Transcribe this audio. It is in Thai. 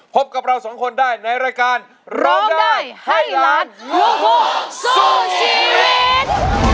พบกับเราสองคนได้ในรายการร้องได้ให้ล้านลูกทุ่งสู้ชีวิต